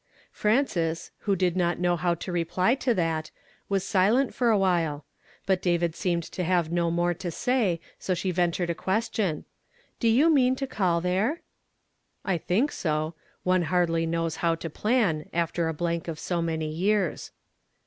"HE THAT SOWETH INIQUITY." 101 Frances, who did not know how to reply to that, was silent for a little ; but David seemed to have no more to say, so she ventured a question :'' Do you mean to call there ?"" I think so. One hardly knows how to plan, after a blank of so many years."